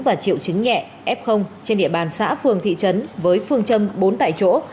và triệu chứng nhẹ f trên địa bàn xã phường thị trấn với phương châm bốn tại chỗ